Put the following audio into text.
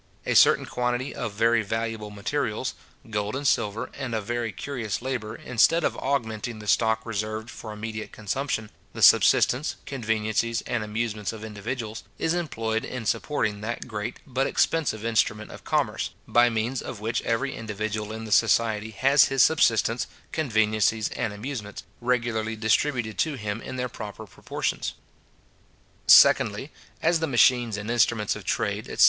A certain quantity of very valuable materials, gold and silver, and of very curious labour, instead of augmenting the stock reserved for immediate consumption, the subsistence, conveniencies, and amusements of individuals, is employed in supporting that great but expensive instrument of commerce, by means of which every individual in the society has his subsistence, conveniencies, and amusements, regularly distributed to him in their proper proportions. Secondly, as the machines and instruments of trade, etc.